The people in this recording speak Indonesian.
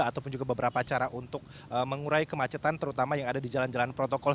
ataupun juga beberapa cara untuk mengurai kemacetan terutama yang ada di jalan jalan protokol